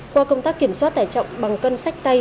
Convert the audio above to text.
qua công tác kiểm soát tải trọng bằng cân sách tay